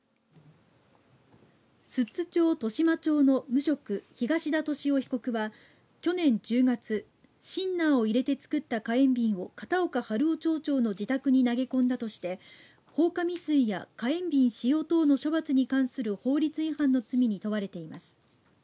寿都町渡島町の無職東田敏雄被告は、去年１０月シンナーを入れて作った火炎びんを片岡春雄町長の自宅に投げ込んだとして放火未遂や火炎びん使用等の処罰に関する法律違反の罪に問われています。